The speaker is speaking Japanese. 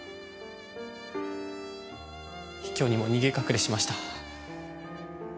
卑怯にも逃げ隠れしました。